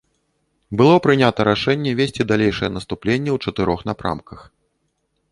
Было прынята рашэнне весці далейшае наступленне ў чатырох напрамках.